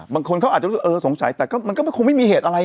บางคนว่าสงสัยแต่ก็ไม่มีเหตุอะไร